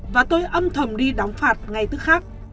và tôi âm thầm đi đóng phạt ngay tức khác